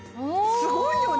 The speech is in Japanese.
すごいよね！